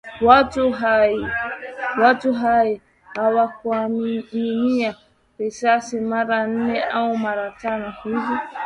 Watu hai wakamimina risasi mara nne au mara tano hivi